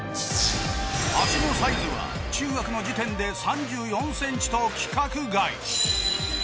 足のサイズは中学の時点で３４センチと規格外。